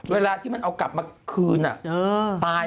เวลาที่มันเอากลับมาคืนตาย